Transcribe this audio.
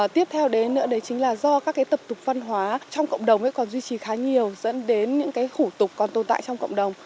tiếp theo đến nữa đấy chính là do các cái tập tục văn hóa trong cộng đồng ấy còn duy trì khá nhiều dẫn đến những cái khủ tục còn tồn tại trong cộng đồng